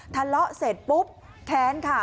ทะเลาะเสร็จปุ๊บแค้นค่ะ